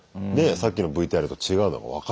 さっきのＶＴＲと違うのも分かるよね。